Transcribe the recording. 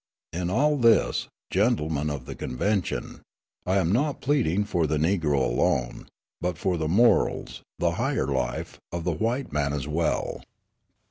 In all this, gentlemen of the convention, I am not pleading for the Negro alone, but for the morals, the higher life, of the white man as well.